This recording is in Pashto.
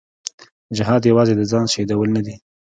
جهاد یوازې د ځان شهیدول نه دي.